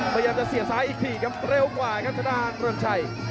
พยายามจะเสียซ้ายอีกทีครับเร็วกว่าครับทางด้านเรือนชัย